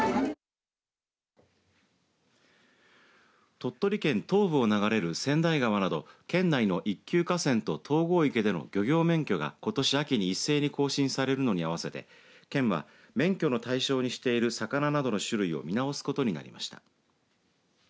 鳥取県東部を流れる千代川など県内の１級河川と東郷池での漁業免許がことし秋に一斉に更新されるのに合わせて県は免許の対象にしている魚などの種類を見直すことになりました。